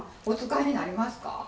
お使いになりますか？